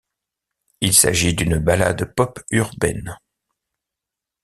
Il s'agit d'une ballade pop urbaine.